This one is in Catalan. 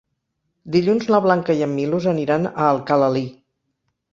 Dilluns na Blanca i en Milos aniran a Alcalalí.